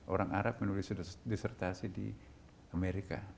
orang arab menulis disertasi di amerika